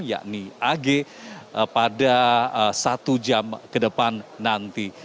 yakni ag pada satu jam ke depan nanti